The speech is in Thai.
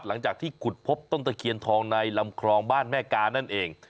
หลังจากที่ขุดพบต้นตะเคียนทองในลำคลองบ้านแม่กานั่นเอง